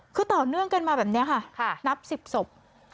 คือต่อเนื่องกันมาแบบนี้ค่ะนับ๑๐ศพ